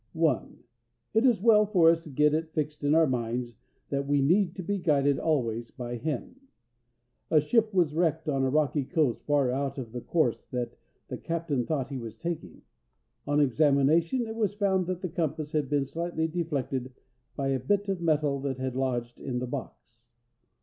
1. It is well for us to get it fixed in our minds that we need to be guided always by Him. A ship was wrecked on a rocky coast far out of the course that the captain thought he was taking. On examination, it was found that the compass had been slightly deflected by a bit of metal that had lodged in the box.